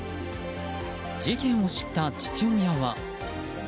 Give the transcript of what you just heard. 事件を知った父親は。